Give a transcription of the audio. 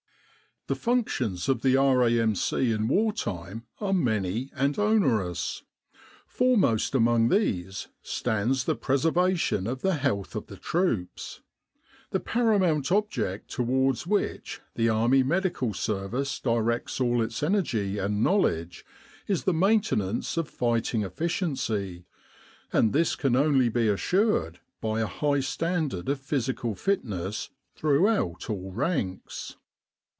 The functions of the R.A.M.C. in war time are many and onerous. Foremost among these stands the preservation of the health of the troops. The paramount object towards which the Army Medical Service directs all its energy and knowledge is the maintenance of fighting efficiency; and this can only be assured by a high standard of physical fitness throughout all ranks.